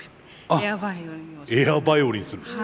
エアバイオリンをするんですか？